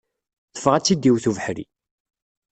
Teffeɣ ad tt-id-iwet ubeḥri.